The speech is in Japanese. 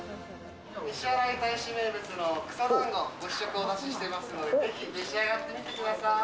西新井大師名物の草だんご、ご試食をお出ししていますので、召し上がってみてください。